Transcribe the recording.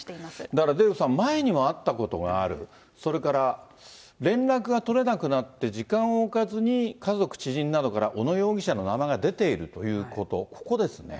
だからデーブさん、前にも会ったことがある、それから連絡が取れなくなって、時間を置かずに家族、知人などから小野容疑者の名前が出ているということ、ここですね。